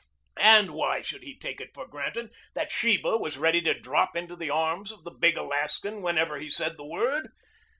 And why should he take it for granted that Sheba was ready to drop into the arms of the big Alaskan whenever he said the word?